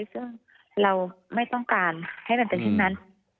ซึ่งเราไม่ต้องการให้มันเป็นเช่นนั้น